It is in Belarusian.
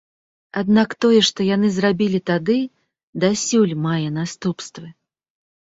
Аднак тое, што яны зрабілі тады, дасюль мае наступствы.